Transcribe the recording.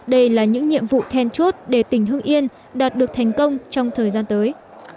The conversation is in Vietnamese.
đây là những nhiệm vụ then chốt để tỉnh hưng yên đạt được thành công trong thời gian tới